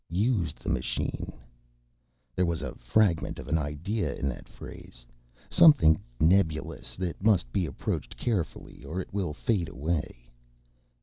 _ Used the machine. There was a fragment of an idea in that phrase. Something nebulous, that must be approached carefully or it will fade away.